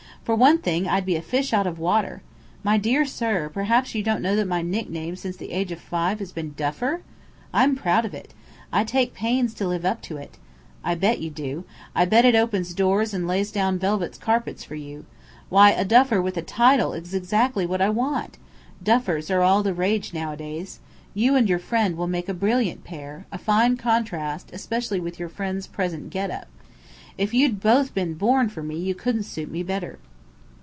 "For one thing, I'd be a fish out of water. My dear sir, perhaps you don't know that my nickname since the age of five has been 'Duffer?' I'm proud of it. I take pains to live up to it " "I bet you do. I bet it opens doors and lays down velvet carpets for you. Why, a duffer with a title is exactly what I want! Duffers are the rage nowadays. You and your friend will make a brilliant pair, a fine contrast, especially with your friend's present get up. If you'd both been born for me you couldn't suit me better."